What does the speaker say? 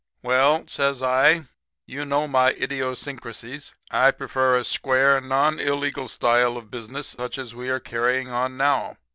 "'Well,' says I, 'you know my idiosyncrasies. I prefer a square, non illegal style of business such as we are carrying on now.